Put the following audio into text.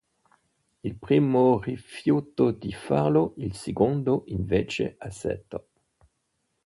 Il primo rifiutò di farlo, il secondo invece accettò.